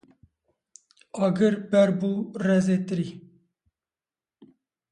Agir ber bû rezê tirî